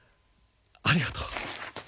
ありがとう！